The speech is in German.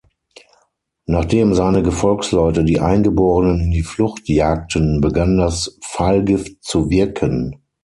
Nachdem seine Gefolgsleute die Eingeborenen in die Flucht jagten, begann das Pfeilgift zu wirken.